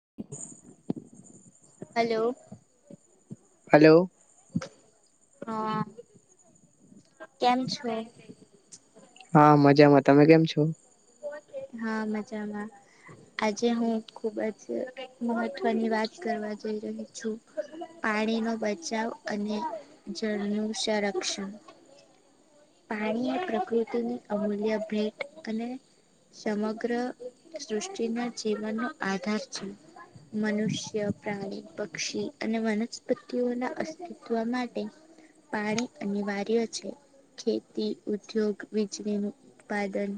[inaudible] Hello hello હા કેમ છો હા મજામા તમે કેમ છો હા મજામા. આજે હું ખુબ જ અહ મહત્વની વાત કરવા જઈ રહી છું. પાણી નો બચાવ અને જળનુ સંરક્ષણ. પાણી એ પ્રકૃતિની અમૂલ્ય ભેટ અને સમગ્ર સૃષ્ટિના જીવનનો આધાર છે. મનુષ્ય, પ્રાણી, પક્ષી અને વનસ્પતિઓના અસ્તિત્વ માટે પાણી અનિવાર્ય છે. ખેતી ઉદ્યોગ વીજળીનુ ઉત્પાદન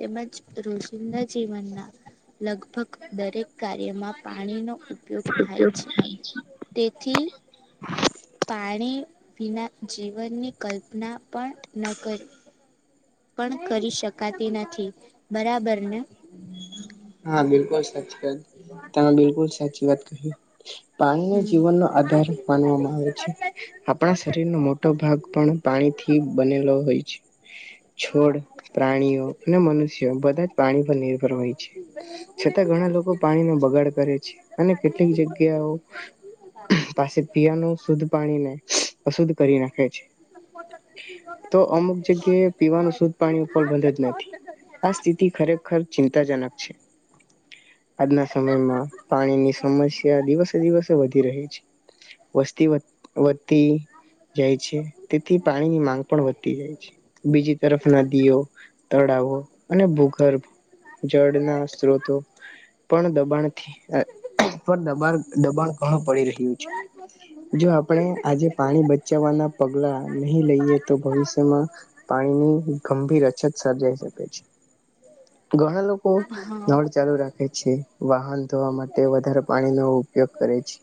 તેમજ રોજિંદા જીવનના લગભગ દરેક કાર્યમા પાણીનો ઉપયોગ થાય છે. તેથી પાણી વિના જીવનની કલ્પના પણ ન કરી પણ કરી શકાતી નથી. બરાબર ને? હા બિલકુલ સાચી વાત. તમે બિલકુલ સાચી વાત કહી. પાણીને હમ જીવનનો આધાર માનવામા આવે છે. આપણા શરીરનો મોટો ભાગ પણ પાણીથી બનેલો હોય છે. છોડ, પ્રાણીઓ અને મનુષ્યો બધા જ પાણી પર નિર્ભર હોય છે. છતા ઘણા લોકો પાણીનો બગાડ કરે છે અને કેટલીક જગ્યાઓ પાસે પીવાનુ શુદ્ધ પાણીને અશુદ્ધ કરી નાખે છે. તો અમુક જગ્યાએ પીવાનુ શુદ્ધ પાણી ઉપર બંધ જ નથી. આ સ્થિતિ ખરેખર ચિંતાજનક છે. આજના સમયમા પાણીની સમસ્યા દિવસે-દિવસે વધી રહી છે. વસ્તી વધ-વધ તી જાય છે, તેથી પાણી ની માંગ પણ વધતી જાય છે. બીજી તરફ નદીઓ, તળાવો અને ભૂગર્ભ જળના સ્ત્રોતો પણ દબાણથી અહ પર દબણ દબાણ ઘણું પડી રહ્યું છે. જો આપણે આજે પાણી બચાવવાના પગલા નહી લઈએ, તો ભવિષ્યમા પાણીની ગંભીર અછત સર્જાઈ શકે છે. ઘણા લોક કો હા નળ ચાલુ રાખે છે. વાહન ધોવા માટે વધારે પાણીનો ઉપયોગ કરે છે,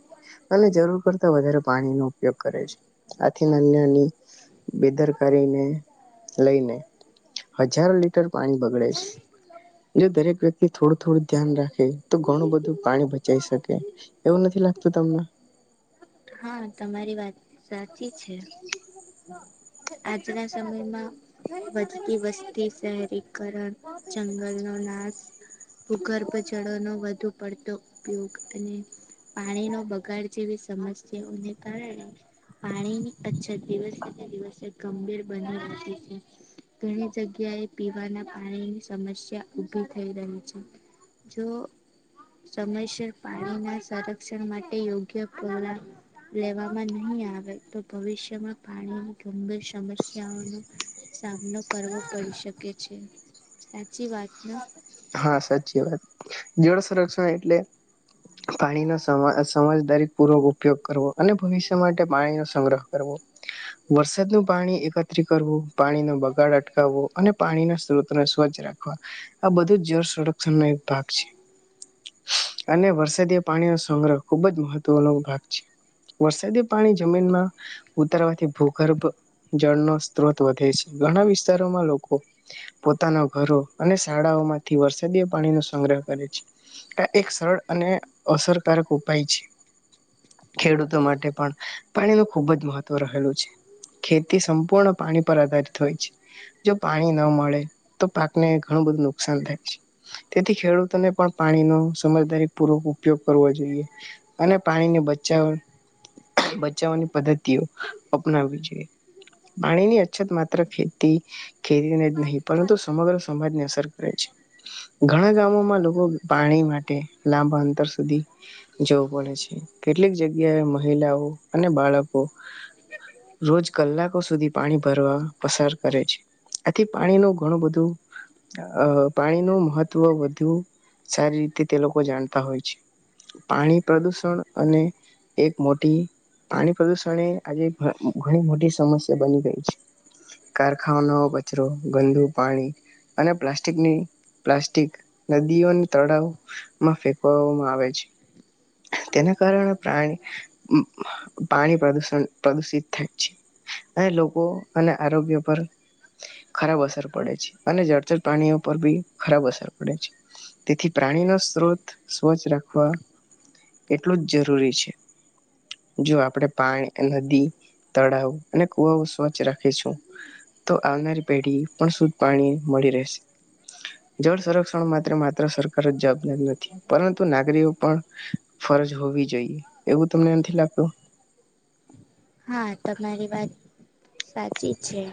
અને જરૂર કરતા વધારે પાણીનો ઉપયોગ કરે છે. આથી નાની નાની બેદરકારીને લઈને હજારો લીટર પાણી બગડે છે. જો દરેક વ્યક તિ થોડુ-થોડુ ધ્યાન રાખે તો ઘણુ બધુ પાણી બચાઈ શકે. એવુ નથી લાગતુ તમને? હા તમારી વાત સાચી છે. આજના સમયમા વધતી વસ્તી શહેરીકરણ, જંગલનો નાશ, ભૂગર્ભ જળો નો વધુ પડતો ઉપયોગ, અને પાણીનો બગાડ જેવી સમસ સ્યાઓને કારણે પાણીની અછત દિવસે-દિવસે ગંભીર બની રહી છે. ઘણી જગ્યાએ પીવાના પાણીની સમસ્યા ઉભી થઈ રહી છે. જો સમયસર પાણીના સંરક્ષણ માટે યોગ્ય પગલાં લેવામા નહી આવે તો ભવિષ્યમા પાણીની ગંભીર સમસ્યાઓનો સામનો કરવો પડી શકે છે. સાચી વાત ને? હા સાચી વાત. જળ સંરક્ષણ એટલે પાણીનો સમ અહ સમજદારી પૂર્વક ઉપયોગ કરવો, અને ભવિષ્ય માટે પાણીનો સંગ્રહ કરવો. વરસાદનુ પાણી એકત્રી કરવુ પાણી નો બગાડ અટકાવવો અને પાણીના સ્ત્રોતને સ્વચ્છ રાખવા. આ બધુ જ જળ સંરક્ષણનો એક ભાગ છે. અને વરસાદીય પાણીનો સંગ્રહ ખુબ જ મહત્વનો ભાગ છે. વરસાદીય પાણી જમીનમા ઉતારવાથી ભૂગર્ભ જળનો સ્ત્રોત વધે છે. ઘણા વિસ્તારોમા લોકો પોતાના ઘરો અને શાળાઓમા થી વરસાદીય પાણી નો સંગ્રહ કરે છે. આ એક સરળ અને અસરકારક ઉપાય છે. ખેડૂતો માટે પણ પાણી નું ખુબ જ મહત્વ રહેલું છે. ખેતી સંપૂર્ણ પાણી પર આધારિત હોય છે. જો પાણી ન મળે તો પાકને ઘણું બધું નુકસાન થાય છે. તેથી ખેડૂતોને પણ પાણીનો સમજદારી પૂર્વક ઉપયોગ કરવો જોઈએ અને પાણીને બચાવા બચાવવાની પદ્ધતિઓ અપનાવવી જોઈએ. પાણીની અછત માત્ર ખેતી ખેડીને ને જ નહીં, પરંતુ સમગ્ર સમાજને અસર કરે છે. ઘણા ગામોમાં લોકો પાણી માટે લાંબા અંતર સુધી જવું પડે છે. કેટલીક જગ્યાએ મહિલાઓ અને બાળકો રોજ કલાકો સુધી પાણી ભરવા પસાર કરે છે. આથી પાણી નું ઘણું બધું અહ પાણીનું મહત્વ વધુ સારી રીતે તે લોકો જાણતા હોય છે. પાણી પ્રદુષણ અને એક મોટી પાણી પ્રદુષણ એ આજે ઘ ઘણી મોટી સમસ્યા બની ગઈ છે. કારખાનાઓ કચરો, ગંદુ પાણી અને પ્લાસ્ટિકની પ્લાસ્ટિક, નદીઓ ને તળાવ માં ફેકવવામાં આવે છે. તેના કારણે પ્રાણી ઉમ્મ પાણી પ્રદુષણ પ્રદુષિત થાય છે. અને લોકો અને આરોગ્ય પર ખરાબ અસર પડે છે, અને જરચર પ્રાણીઓ પર બી ખરાબ અસર પડે છે. તેથી પ્રાણીનો સ્ત્રોત સ્વચ્છ રાખવા એટલું જ જરૂરી છે. જો આપણે પાણ અહ નદી, તળાવ અને કુવાઓ સ્વચ્છ રાખીશું તો આવનારી પેઢી પણ શુદ્ધ પાણી મળી રહેશે. જળ સંરક્ષણ માત્ર-માત્ર સરકાર જ જવાબદાર નથી, પરંતુ નાગરીઓ પણ ફરજ હોવી જોઈએ. એવું તમને નથી લાગતું? હા તમારી વાત સાચી છે.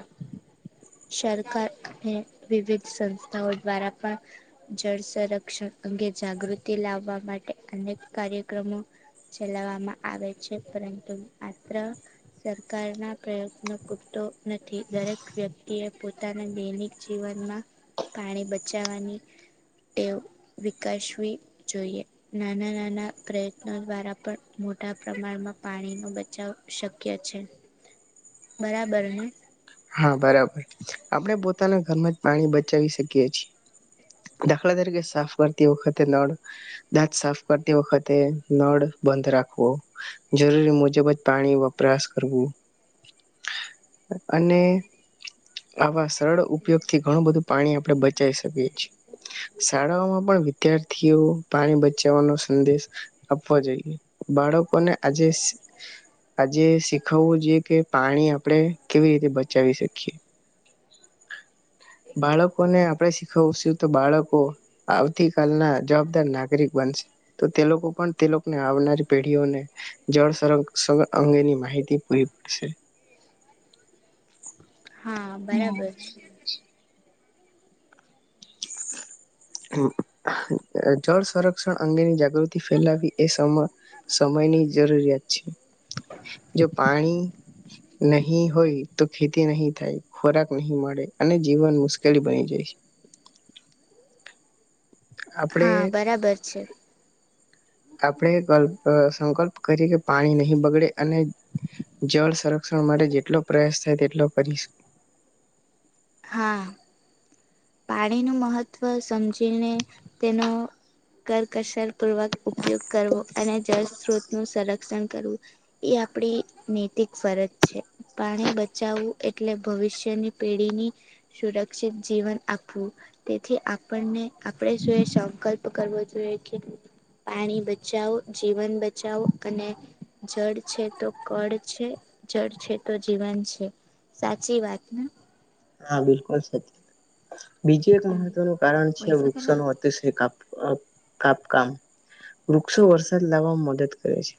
સરકાર અને વિવિધ સંસ્થાઓ દ્વારા પણ જળ સંરક્ષણ અંગે જાગૃતિ લાવવા માટે અનેક કાર્યક્રમો ચલાવવામાં આવે છે. પરંતુ માત્ર સરકારના પ્રયત્નો પૂરતો નથી દરેક વ્યક્તિએ પોતાના દૈનિક જીવનમાં પાણી બચાવવાની ટેવ વિકસવી જોઈએ નાના નાના પ્રયત્નો દ્વારા પણ મોટા પ્રમાણમાં પાણીનો બચાવ શક્ય છે બરાબર ને હા બરાબર આપણે પોતાના ઘરમાં જ પાણી બચાવી શકીએ છીએ દાખલા તરીકે સાફ કરતી વખતે નળ દાંત સાફ કરતી વખતે નળ બંધ રાખવો જરૂરી મુજબ જ પાણી વપરાશ કરવો અને આવા સરળ ઉપયોગ થી ઘણું બધું પાણી આપણે બચી શકીએ છીએ શાળાઓમાં પણ વિદ્યાર્થીઓ પાણી બચાવવાનો સંદેશ આપવો જોઈએ બાળકોને આજે આજે શીખવવું જોઈએ કે પાણી આપણે કેવી રીતે બચાવી શકીએ બાળકોને આપણે શીખવશું તો બાળકો આવતી કલના જવાબદાર નાગરિક બનશે તો તે લોકો પણ તે લોકોને આવનારી પેઢીઓને જળ સં અંગેની માહિતી પૂરી પડશે હા બરાબર છે જળ સંરક્ષણ અંગેની જાગૃતિ ફેલાવી એ સમ સમયની જરૂરિયાત છે જો પાણી નહી હોય તો ખેતી નહીં થાય ખોરાક નહી મળે અને જીવન મુશ્કેલી બની જાય હા આપણે બરાબર છે આપણે સંકલ્પ કરીએ કે પાણી નહીં બગડે અને જળ સંરક્ષણ માટે જેટલો પ્રયાસ થાય તેટલો કરીશ હા પાણીનું મહત્વ સમજીને તેનો કરકસરપૂર્વક ઉપયોગ કરવો અને જળ સ્ત્રોતનુંું સંરક્ષણ કરવું એ આપણી નૈતિક ફરજ છે પાણી બચાવવું એટલે ભવિષ્યની પેઢીની સુરક્ષિત જીવન આપવું આપું તેથી આપણને આપણે શું એ સંકલ્પ કરવો જોઈએ કે પાણી બચાવો જીવન બચાવો અને જળ છે તો કળ છે જળ છે તો જીવન છે સાચી વાત હા બિલકુલ સચી બીજું એક મહત્વનું કારણ છે પૈસા તો વૃક્ષો ન લાગે. અતિશય કાપ કાપકામ વૃક્ષો વરસાદ લાવવામાં મદદ કરે છે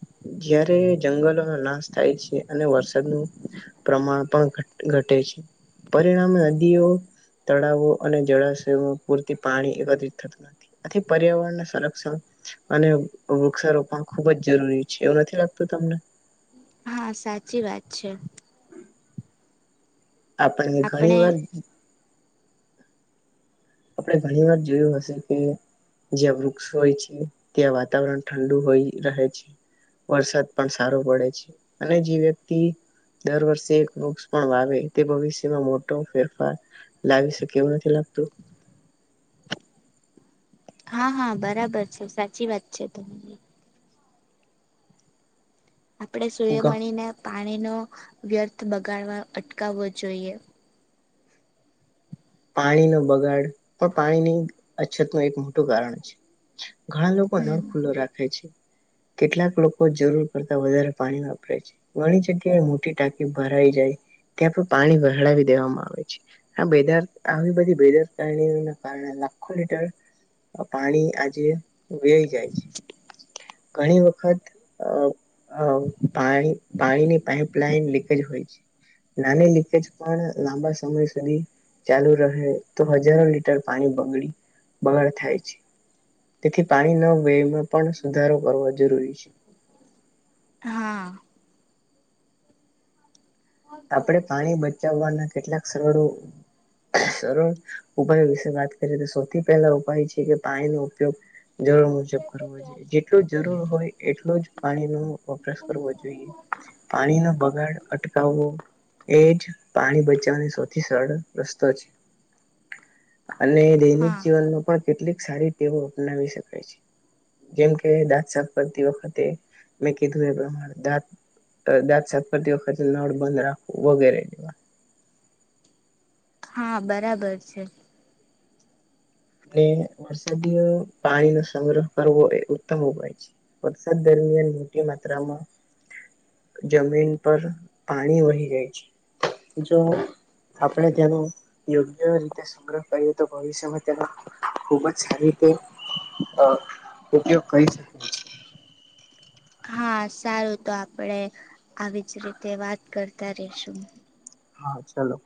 જ્યારે જંગલોનો નાશ થાય છે અને વરસાદનું પ્રમાણ પણ ઘટે છે પરિણામ નદીઓ તળાવો અને જળાશયોમાં પૂરતી પાણી એકત્રિત થતું નથી આથી પર્યાવરણના સંરક્ષણ અને વૃક્ષારોપણ ખુબ જ જરૂરી છે એવું નથી લાગતું તમને હા સાચી વાત છે આપણને ઘણી આપણે વાર આપણે ઘણી વાર જોયું હશે કે જ્યાં વૃક્ષ હોય છે ત્યાં વાતાવરણ ઠંડુ હોય રહે છે વરસાદ પણ સારો પડે છે અને જે વ્યક્તિ દર વર્ષે એક વૃક્ષ પણ વાવે તે ભવિષ્યમાં મોટો ફેરફાર લાવી શકે એવું નથી લાગતું હા હા બરાબર છે સાચી વાત છે તમારી આપણે સૂય્યમણીને પાણી ન વ્યર્થ બગાડવા અટકાવવો જોઈએ પાણીનો બગાડ પણ પાણીની અછત ન એક મોટું કારણ છે ઘણા લોકો નળ હમ. ખુલ્લો રાખે છે કેટલાક લોકો જરૂર કરતા વધારે પાણી વાપરે છે ઘણી જગ્યાએ મોટી ટાંકી ભરાઈ જાય ત્યાં પણ પાણી વહળાવી દેવામાં આવે છે આ બાર આવી બધી બેદરકારના કારણે લાખો લીટર પાણી આજે વય જાય છે ઘણી વખત પાણી પાણીની પાઈપલાઈન લીકેજ હોય છે નાની લીકેજ પણ લાંબા સમય સુધી ચાલુ રહે તો હજારો લીટર પાણી બગડી બગાડ થાય છે તેથી પાણી ન વેમાં પણ સુધારો કરવો જરૂરી છે હા આપણે પાણી બચાવવાના કેટલાક સરળો સરળ ઉપાયો વિશે વાત કરીએ તો સૌથી પહેલા ઉપાય છે કે પાણીનો ઉપયોગ જરૂર મુજબ કરવો જોઈએ જેટલ જરૂર હોય એટલું જ પાણીનો વપરાશ કરવો જોઈએ પાણીનો બગાડ અટકાવવો એ જ પાણી બચાવવાનો સૌથી સરળ રસ્તો છે અને દૈનિક હા જીવનનો પણ કેટલીક સારી ટેવો અપનાવી શકાય છે જેમકે દાંત સાપરતી વખતે મેં કીધું એ પ્રમાણે દાંત દાંત સાપરતી વખતે નળ બંધ રાખ વગેરે વા હા બરાબર છે વરસાદી પાણીનોો સંગ્રહ કરવો એ ઉત્તમ ઉપાય છે વરસાદ દરમિયાન મોટી માત્રામાં જમીન પર પાણી વહી ગાય છે જો આપણે ત્યાનો યોગ્ય રીતે સંગ્રહ કરીએ તો ભવિષ્યમાં તેનો ખૂબ જ સારી રીતે અ ઉપયોગ કરી શકે છે હા સારું તો આપડે આવીજ રીતે વાત કરતા રશું હા ચાલો